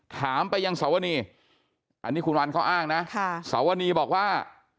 ถามไปยังสาวเนี่ยอันนี้คุณวันเขาอ้างนะค่ะสาวเนี่ยบอกว่า